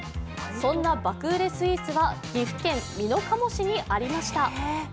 そんな爆売れスイーツは岐阜県美濃加茂市にありました。